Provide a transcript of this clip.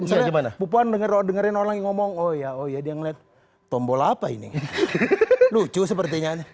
gimana bupuan denger dengerin orang ngomong oh ya oh ya dia ngeliat tombol apa ini lucu sepertinya